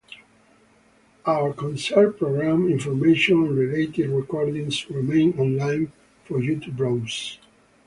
Our concert programme information and related recordings remain online for you to browse.